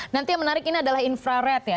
nanti yang menarik ini adalah infrared ya